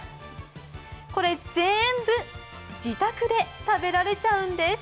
これぜんぶ、自宅で食べられちゃうんです。